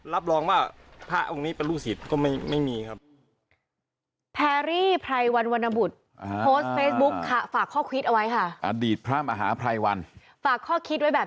รับรองว่าพระองค์นี้เป็นลูกศิษย์ก็ไม่มีครับ